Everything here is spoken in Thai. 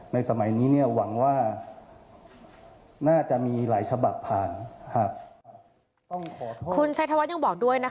ในสมัยนี้เนี่ยหวังว่าน่าจะมีหลายฉบับผ่านครับ